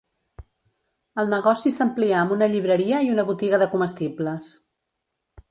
El negoci s'amplià amb una llibreria i una botiga de comestibles.